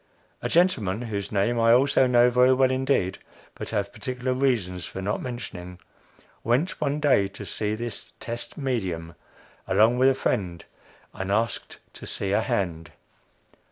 A gentleman, whose name I also know very well indeed, but have particular reasons for not mentioning, went one day to see this "test medium," along with a friend, and asked to see a hand.